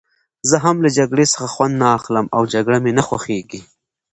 زه هم له جګړې څخه خوند نه اخلم او جګړه مې نه خوښېږي.